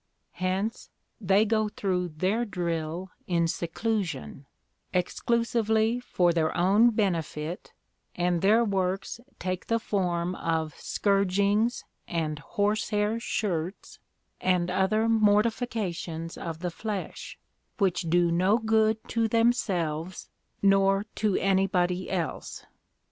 Hence they go through their drill in seclusion, exclusively for their own benefit, and their works take the form of scourgings and horse hair shirts, and other mortifications of the flesh, which do no good to themselves nor to anybody else.